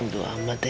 untuk amat ya